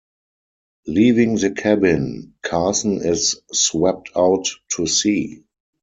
Leaving the cabin, Carson is swept out to sea.